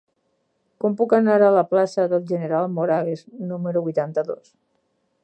Com puc anar a la plaça del General Moragues número vuitanta-dos?